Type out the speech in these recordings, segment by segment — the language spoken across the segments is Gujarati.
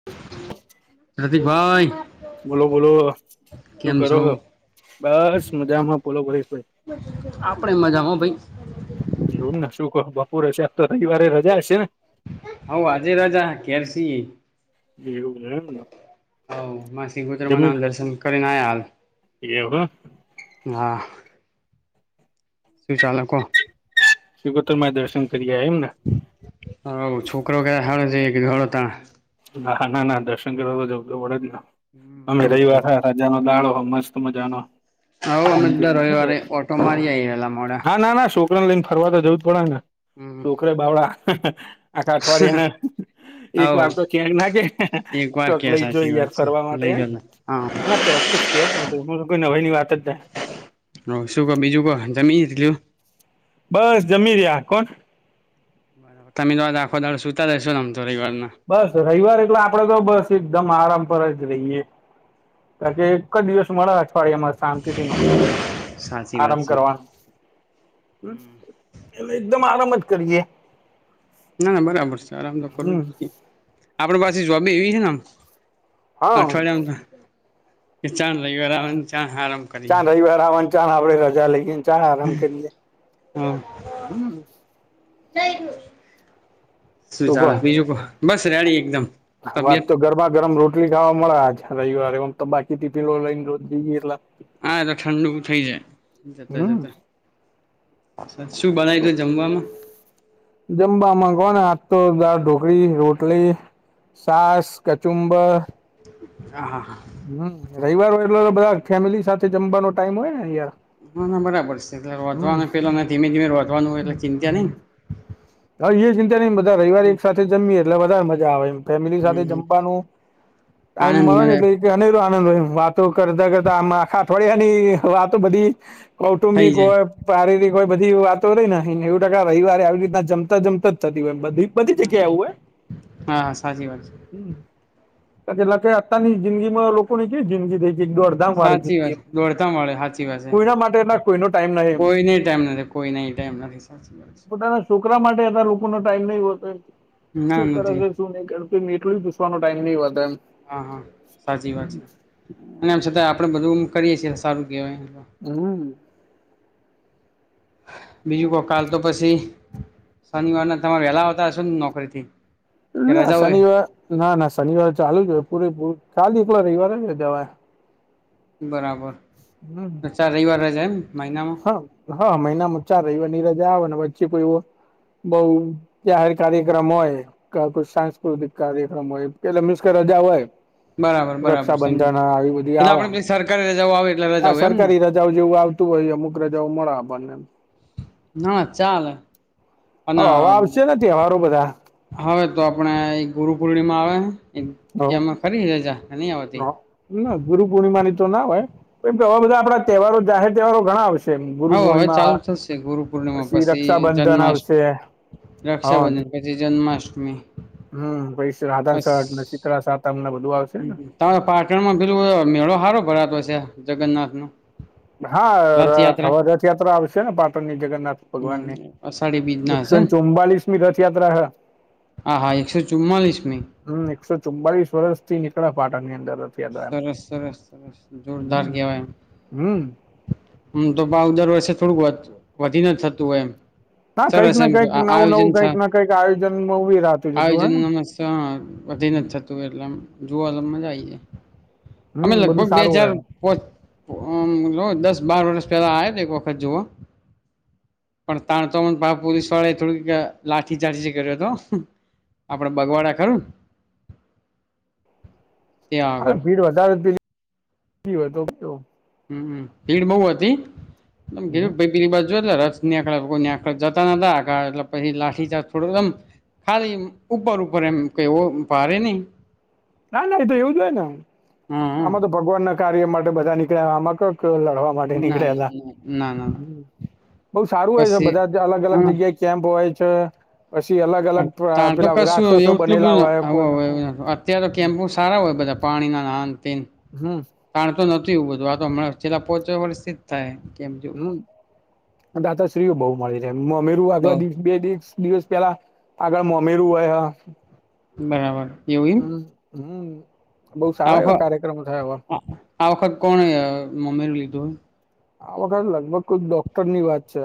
[unintelligible] [unintelligible] બોલો બોલો. શું કેમ કરો છો બસ મજામાં બોલો પોલીસ ભાઈ. આપડે મજામાં હા ભાઈ. જોવુંને શું કહુ બપોરે હશે આ તો રવિવારે રજા હશે ને? હ આજે રાજા ઘેર સિ. એવું એમને હ મા શ્રીકોતર માં ના જમી દર્શન કરીને આયા હાલ. એવું હ. હા શું ચાલ કો? સિકોતરમાં એ દર્શન કરીઆયા એમ ને. હઓ છોકરો કે હવે જઈએ તાણ ના ના ના દર્શન કરવા તો જવુ તો પડે જ ના અમે જવું જ રવીવાર. પડે મજાનો દાળો હો મસ્ત મજાનો. હવ અમે દર રવિવારે ઓટો મારી આઈ વેલા મોડા હા ના ના શો ને લઈને ફરવા તો જવું જ પડે ને હમ છોકરે બાવળા. આખા અઠવાડિયેના એક હવ વાર ક્યાંક ના કે એક વાર ચોક કે લઈ જોય સાચી વાત યાર છે ફરવા માટે લઈ જને હા ના ના ચોક્કસ કે જ નહી તો કોઈ નઈ ની વાત જ નહી. હ, સુકો બીજુ કો તમે ઇઝ કીધું બસ જમી રહ્યા કોણ બરાબર તમે તો આજ આખો દાડો સુતા જ હશો ને રવીવાર ના બસ રવિવાર એટલે આપડે તો બસ એકદમ આરામ પર જ રહીએ કારણ કે એક જ દિવસ મળે અઠવાડિયામાં શાંતિ થી નોકરીનો સાચી વાત આરામ છે કરવાનો એટલે એકદમ આરામ જ, કરીએ ના ના બરાબર છે. આરામ તો કરું હમ જ આપડે પાસે જોબી એવી છેને, હે હા અઠવાડિયામાં તો ચાન રવિવાર આવ ને આરામ, કરીએ ચાણ રવિવાર આવન ચાણ આપડે રજા લઈએ ચાણ આરામ કરીએ હ શું ચાલ બીજું કો બસ રેડી એકદમ હા વાત તબિયત તો ગરમા ગરમ રોટલી ખાવા મળ આજ રવિવારે ઓમ તો બાકી ટિફિનો લઈને રોજ જઈએ એટલ હા એતો ઠંડુ થઇ જાય, જતા હમ જતા. શું બનાય તું જમવામાં જમવામાં કોને હાથ, તો દાળ ઢોકળી રોટલી છાશ કચુંબર હા હા હા. હમ્મ રવિવાર હોય, એટલે બધા ફેમિલી સાથે જમવાનો ટાઈમ હોય ને યાર. ના ના બરાબર છે, એટલે હમ રોધવાના પેલાને ધીમે ધીમે રોધવાનું એટલે ચિંંત્યા નઈ હવે એ ચિંતા નઈ બધા રવિવારે એક સાથે જમીએ એટલે વધારે મજા આવે એમ ફેમિલી સાથે હમ જમવાનું ટાઈમ મળે ને એટલે અનેરો આનંદ હોય એમ વાતો કરતા કરતા આમ આખા અઠવાડિયાની વાતો બધી થઈ કૌટુંબિક જાય હોય, પારીરિક હોય બધી વાતો રઈને નેઉ ટકા રવિવારે આવી રીતના જમ મતા જમતા જ થતી હોય બધી બધી જગ્યા આવું હોય. હા હા સાચી વાત છે હ એટલા કે અત્યારની જિંદગી માં લોકોની કેવી જિંદગી થઈ છે, એક દોડ સાચી વાત દોડતા મળે હાચી વાત છે. કોઈના માટે એટલા કોઈનો ટાઈમ નહિ કોઈ ને ટાઇમ નથી કોઈ ન ટાઈમ નથી સા [unintelligible] રા માટે લોકો નો ટાઈમ નહિ હોતો, છે ના શું કરે નથી છે. એટલું પૂસવાનો ટાઈમ નહિ હોતા એમ હા હા સાચી વાત છે અને આમ છતાં આપણેે બધું કરીએ છીએ, સારું કહેવાય. હમ્મ. બીજું કો કાલ તો પછી શનિવારના, તમારે વેલા આવતા હશો ને નોકરી થી. ના શનિવાર ના ના શનિવાર ચાલુ જ હોય, પૂરે પૂરું ખાલી એકલો રવિવારે જ હોય. બરાબર હમ્મ અરછા રવિવાર રજા એમ મહિનામાં હા હા મહિનામાં ચાર રવિવાર ની રજા આવે ને વરચે કોઈ એવો બઉ જાહેર કાર્યક્રમ હોય ક કોઈ સાંસ્કૃતિક કાર્યક્રમ હોય એટલે મિશ કે રજા હોય. બરાબર બરાબર સમજી રક્ષાબંધન આવી બધી એટલે આવ આપડે સરકારી રજાઓ આવે એટલે આ રજાઓ એમ ને સરકારી ર [unintelligible] જેવું આવતું હોય અમુક રજાઓ મળે આપણને. હ ચાલે હ અને હવ આવશેને તહેવારો બધા હવે તો આપડે એ ગુરુ પૂર્ણિમા આવે હે એમાં ખરી રજા નહી, આવતી. ના ગુરુ પૂર્ણિમાની તો ના હોય પણ તો હવે બધા આપડા તહેવારો જાહેર તહેવારો ઘણા આવશ હ હવે ગુરુપૂર્ણિમા ચાલુ થશે ગુરુ પૂર્ણિમા પછી રક્ષાબંધન જન્માષ્ટમી આવશે. રક્ષાબંધન પછી જન્માષ્ટમી હમ્મ પૈ રાધન છટ, શીતળા સાતમ ને બધું. આવશે ને તમાર પાટણમાં પેલું મેળો સારો ભરાતો હશે, જગન્નાથ નો. હા, રથયાત્રા હવે રથયાત્રા આવશે ને પાટણની જગન્નાથ હમ ભગવાનની અષાઢી બીજ ના હશે એકસો ને ચુમ્બલીસ મી રથયાત્રા હે. હા, હા એકસો ચુમ્માલીસ મી. હમ્મ. એકસો ચુમ્બાળીસ વર્ષ થી નીકળા પાટણની અંદર. રથયાત્રા સરસ-સરસ-સરસ જોરદાર હમ કેવાય એમ. હમ હમ્મ. તો ભાવ દર વર્ષે થોડુંક વધ વધીને થતું એમ. હા કંઈક સરસ ને એમ, કંઈક આ નવું આયોજન નવું કંઈક સા ને કંઈક આયોજન ઉભી રાતું જતું હોય આયોજન [unintelligible] ને એટલે આમ જોવા [unintelligible] મજા આઈ જાય. અમે હમ બધું લગભગ બે સારું હોય હજાર એમ પોચ અમ્મ જોવો દસ બાર વર્ષ પહેલા આયા તા એક વખત જોવા. પણ તાણ તો મન પા પોલીસવાળાએ થોડીક લાઠીચાર્જ એઈ કર્યો તો. આપડે બગવાડા ખરું ન? ત્યાં અરે આગળ ભીડ વધારે [unintelligible] તો કહ્યો. હમ્મ. ભીડ બહું વધી? [unintelligible] પીલી બાજુ [unintelligible] ખાલી ઉપર-ઉપર એમ કેય હો ભારે નહીં. ના, ના એ તો એવું જ હોય ને, હા હા આમાં તો ભગવાન ના કાર્ય માટે બધા નીકળ્યા, આમાં કક લડવા માટે ના નીકળેલા, ના ના ના હમ્મ. બહું સારું હોય છે, પછી બધા જ અલગ-અલગ હા જગ્યાએ કેમ્પ હોય છે પછી અલગ અલગ પ- તા તો પેલા કશું રાક્ષસો બનેલા હોય કો [unintelligible] ત્યારે કેમ્પો સારા હોય બધા, પાણીનાના આન તેન. હમ તાણ તો નથી એવું બધું, આ તો હમણાં છેલ્લા પોચા વર્ષ થી થાય હે કેમ્ચુ હમ દાતાશ્રીઓ બહુ મળી રહે. મોમેરું આગલા દિ બે દિસ દિવસ પહેલા આગળ મોમીરું હોય હ બરાબર. એવું એમ હમ્મ-હમ્મ. આ વખ આ વખત કોણ મોમીરું લીધું? આ વખત લગભગ કોઈક ડોક્ટર ની વાત છે.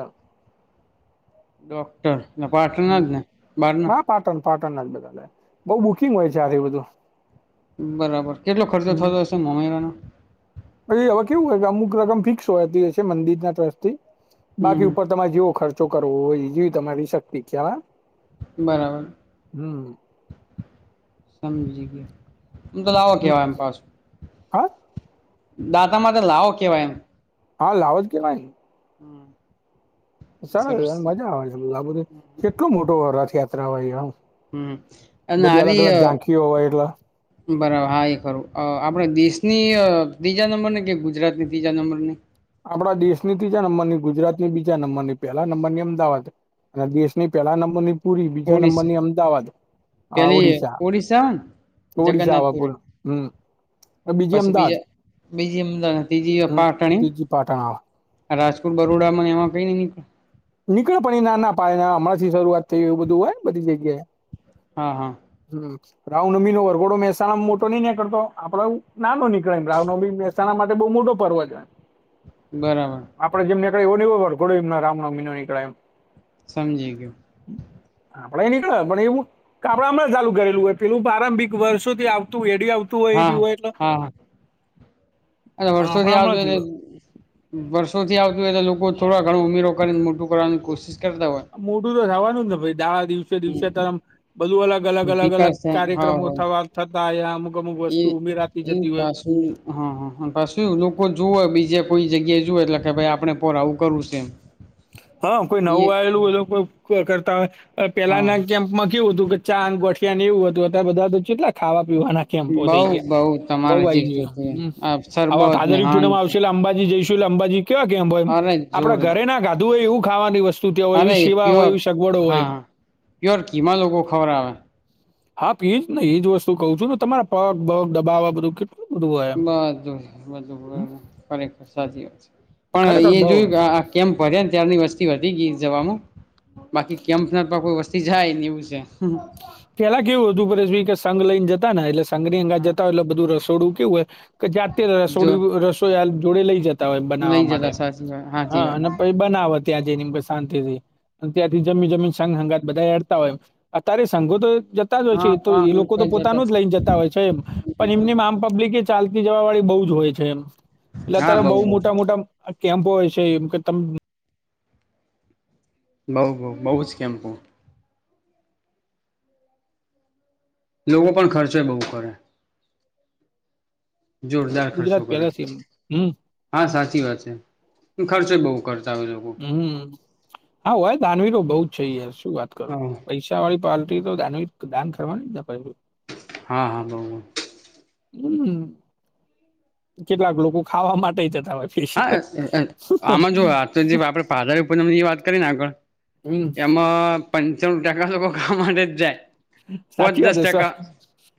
ડોક્ટર, ને પાટનર જ ને, બાર ના? પાટણ-પાટણ જ બધા [unintelligible] બઉ બુકિંગ હોય છે આથી બધું. બરાબર. કેટલો ખર્ચો થતો હશે મોમરાનો? પેલી હવે કેવું હોય કે અમુક રકમ ફિક્સ હોયતી હશે મંદિર ના ટ્રસ્ટ થી, હમ બાકી હમ ઉપર તમારે જેવો ખર્ચો કરવો હોય, જેવી તમારી શક્તિ કયા બરાબર. સમજી ગયા. આમ તો લાવો હમ કેવાય એમ પાસ હા? દાતામાં તો લાવો કેવાય એમ. હા લાવ જ કેવાયન. હમ્મ. [unintelligible] મજા આવે છે બધું, આ બધું કેટલું મોટો રથયાત્રા હોય આમ. હમ અને બધી આરી અલગ-અલગ ઝાંખીઓ હોય એટલે બરાબર હા એ ખરું. આપણે દેશની અહ તીજા નંબર ની કે ગુજરાતની તીજા નંબરની? આપણા દેશની તીજા નંબર ની, ગુજરાતની બીજા નંબર ની, પહેલા નંબર ની અમદાવાદ. અને દેશની પહેલા નંબર ની પુરી, બીજા ઓડિશા નંબરની અમદાવાદ. આ પેલી ઓડીશા. ઓડિશા આવે ને ઓડિશા આવા પૂર, જગન્નાથપુરી હમ્મ. ને બીજી પછી અમદાવાદ. બીજા બીજી અમદાવાદ હમ્મ, તીજી પાટણ હા. આ રાજકોટ બરોડામાં એમાં કંઈ નઈ નીકળે? નીકળે પણ ઈ ના પાયેના, હમણાંથી શરૂઆત થઈ એવું બધું હોય ને બધી જગ્યાએ. હા, હા. હમ્મ. રાવનમીનો વરઘોડો મહેસાણામાં મોટો નઈ નીકળતો આપડે નાનો નીકળે રાવનમી માટે બહુ મોટો પર્વ જ હોય. બરાબર. આપડે જેમ નીકળી એવ નીવ ઘોડ એમ રામનોમીનો નીકળે એમ. સમજી ગયો. હમ. આપણે નીકળે પણ એવું ક આપડા હમણાં ચાલુ કરેલું હોય પેલું પ્રારંભિક વર્ષોથી આવતું એડી આવતું હોય એથી હા હોય એટલે હા, અને વર્ષોથી આપડા હમણાંથી આવજોને. હોય. વર્ષો થી આવતી હોય તો લોકો થોડા ઘણો ઉમેરો કરીને મોટું કરવાની કોશિશ કરતા હોય. મોટું તો થવાનું જ ને ભાઈ દા દિવસે દિવસે તોમ બધું અલગ અલગ અલગ અલગ વિકાસ થાય હા કાર્યક્રમો હોય થવા થતા એ અમુક અમુક એ વસ્તુ ઉમેરાતી એ જતી હોય. પાછું હા હા પાછું લોકો જોવે હોય બીજે કોઈ જગ્યાએ જુ એટલે કે ભાઈ આપડણે પોર આવું કરવું છે એમ. હા કોઈ નવું એ આવેલું હોય કો કરતા હો, હા પેલાના કેમ્પમાં કેવું હતું ચાંગ ગોઠિયા ને એવું હતું અત્યારે બધા તો કેટલા ખાવા પીવા નાખ. કેમ બહ બઉ થઈ ગયા, બઉ બઉ તમારે જે ભાઈ જો જોતું હોય હમ, આ હવે સરબત ને હા ભાદરીપુરમાં આવશે એટલે અંબાજી જઈશું એટલે અંબાજી. કેવા કેમ હોય એમ, અરે આપણા જોરદાર ઘરે ના ગાધુ એવું ખાવાની વસ્તુ ત્યાં હોય હા એવી એ સિવા હોય પ્યોર એવી સગવડો હોય એમ. હા પ્યોર કીમાં લોકો ખવરાવે. હા એજ ને એજ વસ્તુ કવ છુંને તમારા પગ બગ દબાવવા બધું કેટલું. બધું હોય એમ. બધું છે હમ, બધું બ ખરેખર સાચી વાત છે, પણ ખરેખર એ બઉ જોયું કે આ કેમ ફર્યા ને ત્યારની વસ્તી હતી ગી જનું. બાકી કેમ્પના કોઈ વસ્તી જાય ને એવું છે. પેલા કેવું હતું પરેશ કે સંઘ લઈને જતા ને એટલે સંઘની અંગાજ જતાટલે બધું રસોડું કેવું હોય, કે જાતે જો રસોડું રસોઈ જોડે લઈ જતા. હોય લઈ બનાવવા માટે, જતા સાચી વાત હ સાચી વાત અને પછ બનાવો ત્યાં જઈને શાંતિથી, ત્યાંથી જમી જમીન સઘ સંગાત બધા હડતા હોય. અત્યારે સંઘો તો જતા જ હોય છે હા તો હા એ લોકો તો જતા પોતાનું જ લઈને જતા હોય છે, એમ પણ એમને આમ પબ્લિક એ ચાલતી જવા વાળી બહુ જ હોય છે એમ, એટલે અ હા ત્યારે બઉ બહુ બઉ મોટા મોટા આ કેમ્પો હોય છે એમ કે ત બઉુ બઉુ બહુ જ કૅમ્પો. લોકો પણ ખર્ચો બહુ કરે. જોરદાર ગુજરાત ખર્ચો કરે. પહેલા છે એમ હમ હા સાચી વાત છે, ખર્ચે બહુ ખર્ચા આવે લોકો. હમ હા હોય દાનવીરો બહ જ છે યાર શું વાત કરો હા પૈસા. વાળી પલ્ટી તો દાન કરવારની જ. હા હા બહ બ. હમ, કેટલાક લોકો ખાવા માટે જતા હોય છે. હા આમાં જો આ તો જે આપડે પાદારી પૂનમ ની વાત કરીને આગળ, હમ એમાં પંચાણું ટકા લોકો ક માટે જ જાય. પોચ સાચી વાત દસ છે સર ટકા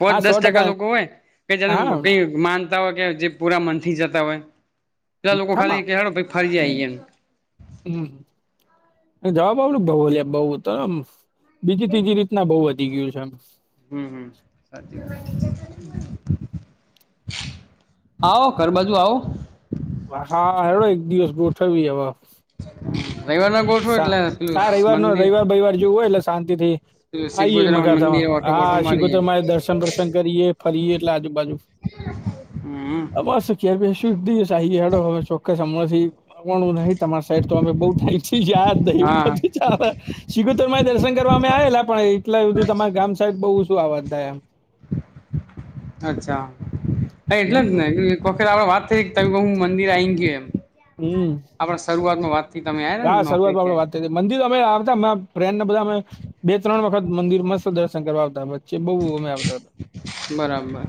પોચ હા સો દસ ટકા લોકો હોય, કે જેને હા કઈ માન હોય કે જે પૂરા મન થી જતા હોય, પેલા લોકો ખાલી કેડ ફરી જએમ. હ, જવાબ આવડ બઉલ બઉ તમ બીજી ત્રીજી રી ના બહુ વધી ગયું છે એમ. હમ હમ સાચી વાત. આવો ઘર બાજુ આવો. હા હડો એક દિવસ ગોઠવી હ. [inaudible] ગોઠવો એટલે પેલું હા રવિવાર ન મંદિર રવિવાર બવવાર જોવું હોય એટલે શાંતિ થી. પેલું શીખ આઈ ગુજરાત મકાથમાં મંદિરે ઓટો બોટો હા મારીએ શિગોતર મારે દર્શન દર્શન કરીએ ફરીયે એટલે આજુબાજુ. [inaudible] [unintelligible] સુ [unintelligible] દઈહી હડો અમે ચોક્કસ હમણાંથી ન તમાર સાઈડ તો અમે બવ થઈ [unintelligible] હા સિકોતર માં દર્શન કરવા અમે આવેલા પણ એટલા સુધી તમારા ગામ સાહેબ બહુ બધુ આવવાજ થાય, અચ્છા એટલે જ હમ ને વખત આપડે વાત થઈ ત હું મંદિર આ આવી ગયું એમ હમ્મ આપણે શરૂઆત ન વાત થી તમે આવ ને નોકરી આપણે ત્યારે વાત થઈ હતી મંદિર અમે આવતા ફ્રેનને બધા અમે બે ત્રણ વખત મંદિર મસ્ત દર્શન કરવા આવતા વચ્ચે બહુ અમે આવતા હતા, બરાબર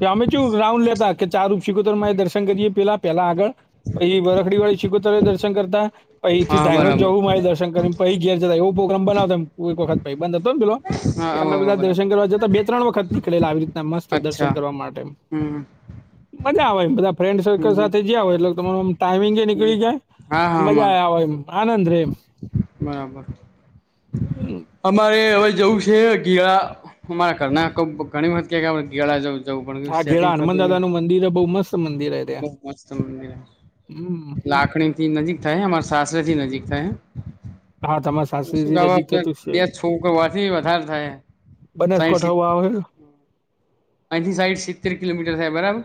કે અમે શું રાઉન્ડ લેતા કે ચાર સીકતેર મા એ દર્શન કરીએ પેલા પેલા આગળ પહીં વરખડી વાળી શિકોતા દર્શન કરતા પછ એ થી હા ધાણો જવું બરાબર મારે દર્શન કરીને પછી ઘેર જતા એવો પોગ્રામ બનાવ કોઈ વખ ભાઈબંધ હતો પેલો હા એ અમે હા બધા દર્શન બરાબર કરવા જતા બે ત્રણ વખતથી નીલા આવી રીતના મસ્ત દર્શન અચ્છા કરવા માટે હમ મજા આવે બધા, ફ્રેન્ડ સર્કલ હમ સાથે જયા હોય એટલે તમારો આમ ટાાઈમિંગ એ હમ નીકળી હા હા જાય મજા આવે અમારે હોય એમ આનંદ રે બરાબર હમ. અમારે હવે જવું છે, ગેળા અમારા કરણાકો ઘણી વત ક ગેળા જવું જવું પણ હા, ઘેડા સેટિંગ હનુમાન થતું ન દાદા નું મંદિર બહુ મસ્ત મંદિર હ બહુ ત્યાં- મસ્ત મંદિર હમ્મ લાખણી થી નજીક થૈ હમાર શસરજીથી નજીક થ હૈ હા તમાસ સાસ્રી નજીક થતું છે બે છોકવાથી વધારે થાય બનાસકાંઠા આવે અથી સાઈડ સિત્તેર કિલોમીટર થાય બરાબર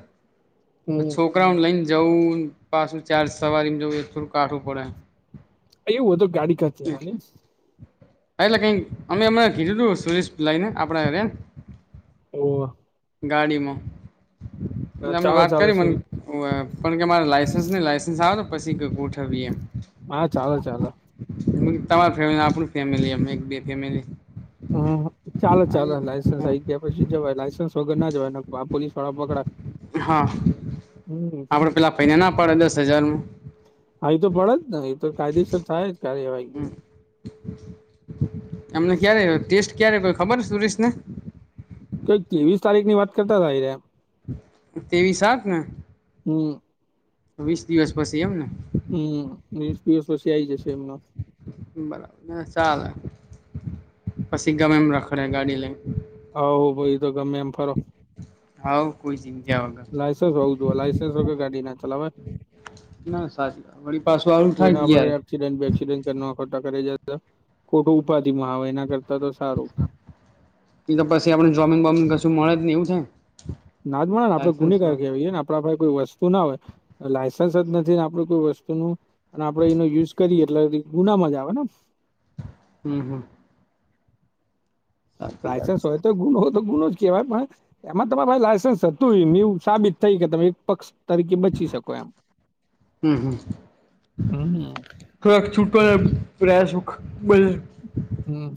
હમ છો છકરાઉડ લઈને જવું પાછું ચાર્જ સવારીને જવું એ થોડું કાઢવું પડે એવું હતું ગાડી કાચવા ને હા, એટલે કંઈક અમે એમણે કીધુંતૂ સુરેશ લઈને આપણેને ઓ ગાડીમાં એટલે અમને વાત કરી સુ મને પણ કે મારે લસન્સ નહી લાયસન્સ આવે ને પછી કઈક ઉઠવી એમ હા, ચાલો ચાલો તમા ફેમ આપ ફેમિલી એક બે ફેમિલી હમ્મ ચાલો ચાલો લાયઇસન્સ આ આવી ગયા પછી જવાય લાયસન્સ છોગર ના જવાય પોલીસ વાળા પકડા હમ્મ પહેલા ફેને ના પડે દસ હજારમાં હા, એ તો પળે જ ને એ તો કાયદેસર થાય જ કાર્યવાહી એમને ક્યારે ટેસ્ટ ક્યારે કોઈ ખબર સુુરિશ ને તોઈ ત્રેવીસ તારીખ ની વાત કરતા એ તેવી સાત ને? હમ્મ વીસ દિવસ પછી એમ ને હમ્મ વીસ દિવસ પછી આ આવી જશે એમનો બરાબર ચાલે પછી ગમે એમ રખડે ગાડી લઈને આવ ભાઈ તો ગમે એમ ફરો આવવ કોઈ શીખ્યા હો લાયસન્સ હોવું જોએ લાયસન્સ વગર ગાડી ના ચલાવે ના સાચું વા વળી પાછું આવુ કોઈને થાય ગા આપણે એક્સિડન્ટ બેક્સિડન્ટ કરતા કરે જ તો ખોટું ઉપાદી માં આવે એના કરતા તો સારું એ તો પછી આપડ જોમિન બોમીંગ કશું મળે ને એવું છ. ના જ મ આપડે ગુનેગ કહેવીયએ ને આપ પાસે કોઈ વસ્તુ ના હોય. લાયસન્સ જ નથી ને આપણું કોઈ વસ્તુનું અને આપડે એનો યુઝ કરીએ એટલે ગુનામાં જ આવે ને- હમ હમ. સાચી વાત પ્રાયસન્સ છે હોય તો ગુણ હો તો ગુણ જ કેવાય એમાં તમારે ભાઈ લાયન્સ હતું એવું સાબિત થઈ કે તમે એક પક્ષ તરીકે બચી શકો એમ હમ હમ હમ થોડાક છૂટોને પ્રયાસ બ હમ.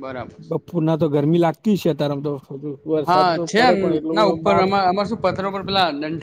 બરાબર છે બપોર ના તો ગરમી લાગતી છે, અ ત્યારેમ તો વરસાદ હા તો છે પડે પણ ના એટ ઉપર માપ અમા અમાર શું [unintelligible]